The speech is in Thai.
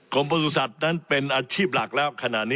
กรมประสุทธิ์ศัตริย์นั้นเป็นอาชีพหลักแล้วขนาดนี้